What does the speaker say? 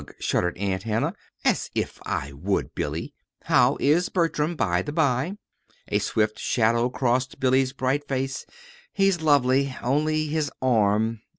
shuddered Aunt Hannah. "As if I would, Billy! How is Bertram, by the by?" A swift shadow crossed Billy's bright face. "He's lovely only his arm."